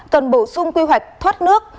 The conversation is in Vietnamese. cần bổ sung quy hoạch thoát nước